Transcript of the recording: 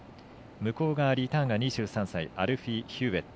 向こう側にリターンが２３歳アルフィー・ヒューウェット。